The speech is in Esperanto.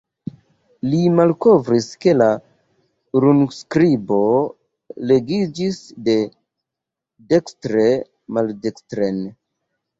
Li malkovris ke la runskribo legiĝis de dekstre maldekstren.